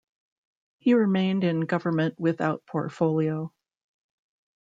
He remained in government without portfolio.